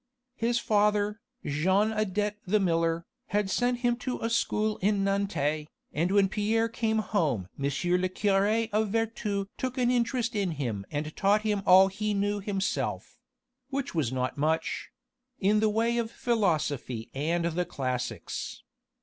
His father, Jean Adet the miller, had sent him to a school in Nantes, and when Pierre came home M. le curé of Vertou took an interest in him and taught him all he knew himself which was not much in the way of philosophy and the classics.